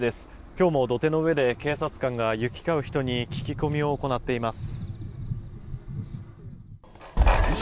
今日も土手の上で警察官が行き交う人に聞き込みを行っています。